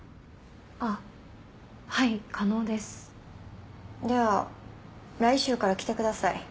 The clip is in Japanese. あっはい可能ですでは来週から来てください